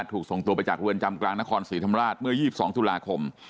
ถูกส่งตัวไปจากเรือนจำกลางนครศรีธรรมราชเมื่อ๒๒ตุลาคม